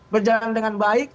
berjalan dengan baik